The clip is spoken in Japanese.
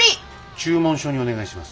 注文書にお願いします。